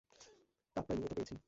Cup পাইনি এটা পেয়েছি।